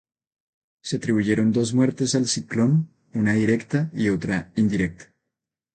Se atribuyeron dos muertes al ciclón, una directa y otra indirecta.